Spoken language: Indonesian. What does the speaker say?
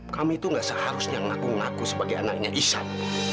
kami tuh nggak seharusnya ngaku ngaku sebagai anaknya iksan